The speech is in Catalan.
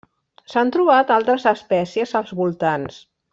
S'han trobat altres espècies als voltants.